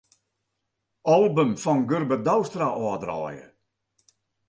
Album fan Gurbe Douwstra ôfdraaie.